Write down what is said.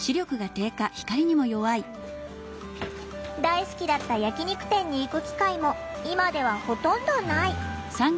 大好きだった焼き肉店に行く機会も今ではほとんどない。